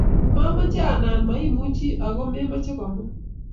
Mameche anan maimuchi aku mameche komwa